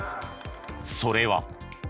それは。